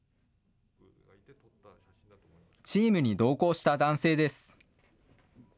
チームに同行した男性です。